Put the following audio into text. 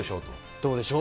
どうでしょう？